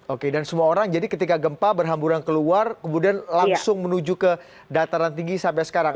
oke dan semua orang jadi ketika gempa berhamburan keluar kemudian langsung menuju ke dataran tinggi sampai sekarang